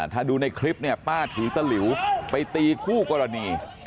ถ้าดูในคลิปเนี่ยป้าถือตะหลิวไปตีคู่กรณี